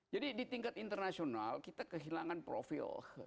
jadi di tingkat internasional kita kehilangan profil